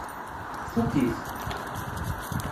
Tfukk-it?